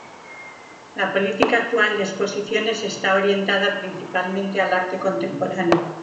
La política actual de exposiciones está orientada principalmente al arte contemporáneo.